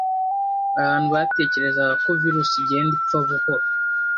abantu batekerezaga ko virusi igenda ipfa buhoro